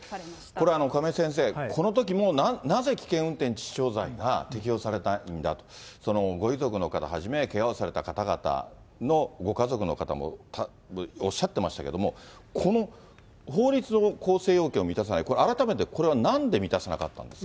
これは亀井先生、このときもなぜ危険運転致死傷罪が適用されないんだ、ご遺族の方はじめ、けがをされた方々のご家族の方々もおっしゃってましたけども、この法律の構成要件を満たさない、改めてこれはなんで満たせなかったんですか。